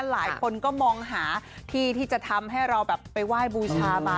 หลายคนก็มองหาที่ที่จะทำให้เราแบบไปไหว้บูชามา